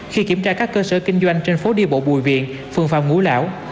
khi kiểm tra các cơ sở kinh doanh trên phố đi bộ bùi viện phường phạm ngũ lão